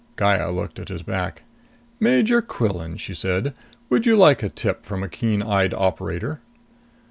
Gaya looked at his back. "Major Quillan," she said, "would you like a tip from a keen eyed operator?"